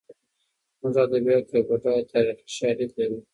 زموږ ادبیات یو بډایه تاریخي شالید لري.